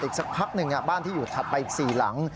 อีกสักพักหนึ่งบ้านที่อยู่ถัดไปอีก๔หลัง